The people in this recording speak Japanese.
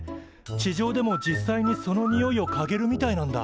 地上でも実際にそのにおいをかげるみたいなんだ。